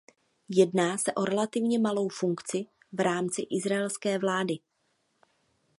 Jedná se o relativně malou funkci v rámci izraelské vlády.